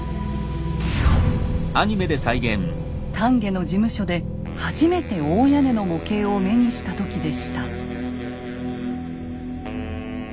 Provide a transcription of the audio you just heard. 丹下の事務所で初めて大屋根の模型を目にした時でした。